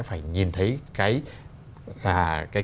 phải nhìn thấy cái